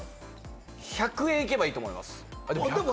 １００円いけばいいと思います。